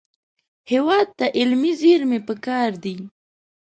هېواد ته علمي زېرمې پکار دي